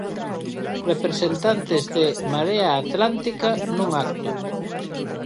Representantes de Marea Atlántica, nun acto.